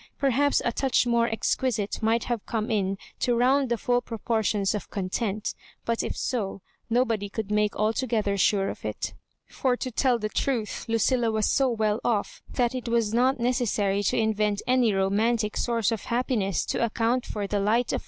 Perhaps a touch more exquisite might have come in to round the full proportions of content; but if so, no body could make altogether sure of it. For, to tell the truth, LncUla was so well off that it was not necessary to invent any romantic source of happiness to account for the light of w?